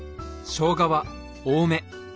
しょうがは多め。